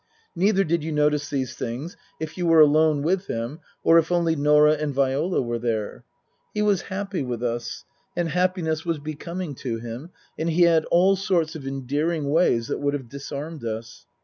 Neither did you notice these things if you were alone with him or if only Norah and Viola were there. He was happy with us, and happiness was becoming to him, and he had all sorts of endearing ways that would have disarmed us.